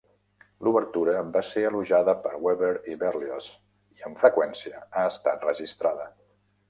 L'obertura va ser elogiada per Weber i Berlioz i amb freqüència ha estat registrada.